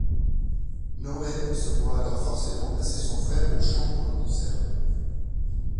Noel se voit alors forcé de remplacer son frère au chant pour le concert.